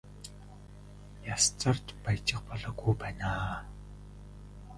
Яс зарж баяжих болоогүй байна аа.